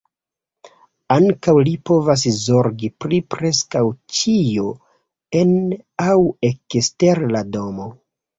Ankaŭ li povas zorgi pri preskaŭ ĉio en aŭ ekster la domo.